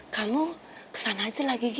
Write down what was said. kamu kesana aja lah gigi